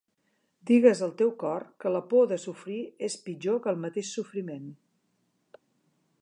Digues al teu cor que la por de sofrir és pitjor que el mateix sofriment.